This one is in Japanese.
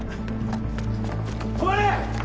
止まれ！